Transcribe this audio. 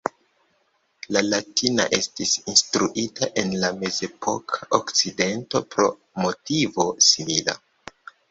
La latina estis instruita en la mezepoka Okcidento pro motivo simila.